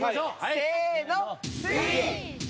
せーの。